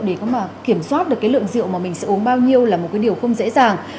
để có mà kiểm soát được cái lượng rượu mà mình sẽ uống bao nhiêu là một cái điều không dễ dàng